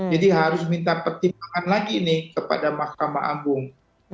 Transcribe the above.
jadi harus minta pertimbangan lagi nih kepada mahkamah agung